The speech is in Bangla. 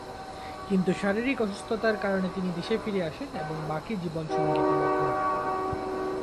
কিন্তু শারীরিক অসুস্থতার কারণে তিনি দেশে ফিরে আসেন এবং বাকি জীবন সঙ্গীতে মগ্ন থাকেন।